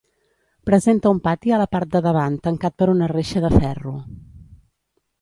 Presenta un pati a la part de davant tancat per una reixa de ferro.